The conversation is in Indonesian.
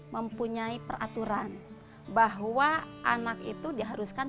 mempunyai peraturan bahwa anak itu diharuskan